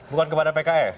bukan kepada pks